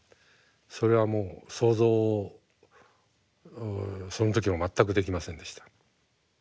それはもう想像をその時も全くできませんでした。